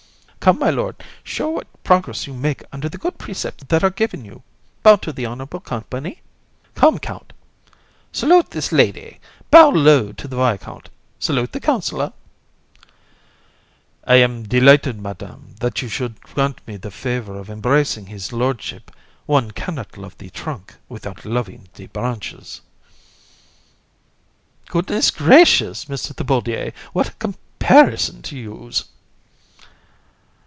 BOB. Come, my Lord, show what progress you make under the good precepts that are given you. Bow to the honourable company. COUN. (showing JULIA). Come, Count, salute this lady; bow low to the viscount; salute the councillor. THI. I am delighted, Madam, that you should grant me the favour of embracing his lordship. One cannot love the trunk without loving the branches. COUN. Goodness gracious, Mr. Thibaudier, what a comparison to use!